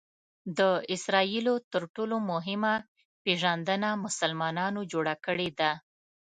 د اسراییلو تر ټولو مهمه پېژندنه مسلمانانو جوړه کړې ده.